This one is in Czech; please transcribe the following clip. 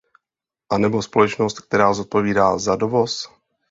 Anebo společnost, která zodpovídá za dovoz?